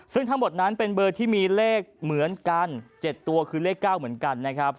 ซึ่งทั้งหมดนั้นเป็นเบอร์ที่มีเลขเหมือนกัน๗ตัวคือเลข๙เหมือนกันนะครับ